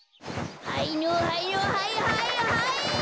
はいのはいのはいはいはい！